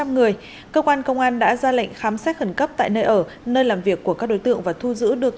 bốn trăm linh người cơ quan công an đã ra lệnh khám xét khẩn cấp tại nơi ở nơi làm việc của các đối tượng và thu giữ được